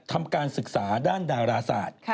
ทำการศึกษาด้านดาราศาสตร์